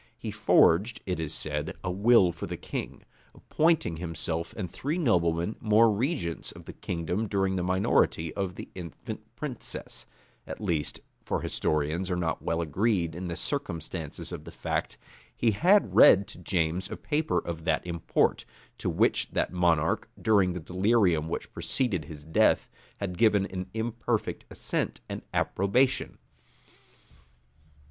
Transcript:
He forged, it is said, a will for the king, appointing himself and three noblemen more regents of the kingdom during the minority of the infant princess:[*] at least, for historians are not well agreed in the circumstances of the fact, he had read to James a paper of that import, to which that monarch, during the delirium which preceded his death, had given an imperfect assent and approbation.